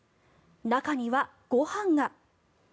中にはご飯が。